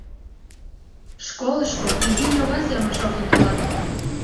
— Школышко изи ньога семын шортын толат...